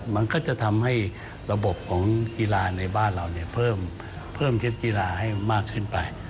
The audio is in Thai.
มันก็จะทำให้ระบบของกีฬาในบ้านเราเพิ่มเท็จกีฬาให้มากขึ้นไป